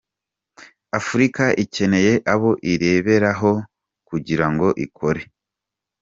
Afurika ikeneye abo ireberaho kugira ngo ikore.